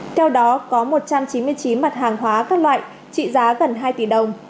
theo đó có một trăm chín mươi chín mặt hàng hóa các loại trị giá gần hai tỷ đồng